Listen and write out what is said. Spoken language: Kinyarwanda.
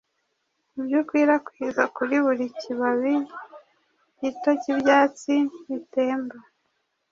Ibyo ukwirakwiza kuri buri kibabi gito cyibyatsi bitemba